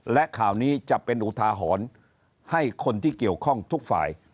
และข่าวนี้จะเป็นอุทาหรณ์ให้คนที่เกี่ยวข้องทุกฝ่าย